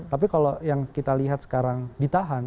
tapi kalau yang kita lihat sekarang ditahan